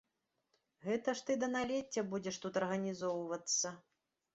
Гэта ж ты да налецця будзеш тут арганізоўвацца.